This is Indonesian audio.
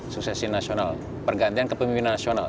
suksesi nasional pergantian kepemimpinan nasional